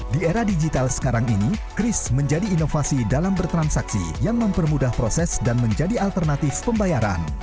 di era digital sekarang ini kris menjadi inovasi dalam bertransaksi yang mempermudah proses dan menjadi alternatif pembayaran